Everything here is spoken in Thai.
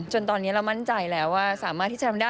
จนตอนนี้เรามั่นใจแล้วว่าสามารถที่จะทำได้